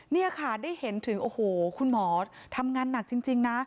นี่ค่ะได้เห็นถึงโอ้โหคุณหมอทำงานหนักจริงนะ